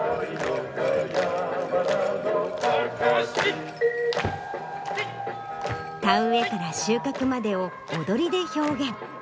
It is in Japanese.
「かかし」田植えから収穫までを踊りで表現。